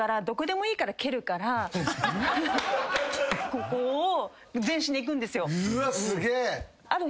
ここを全身でいくんですよ。